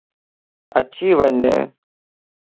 اڇي وڃ